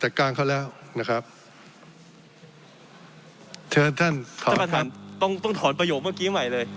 จัดการเขาแล้วนะครับเชิญท่านต้องต้องถอนประโยคเมื่อกี้ใหม่เลย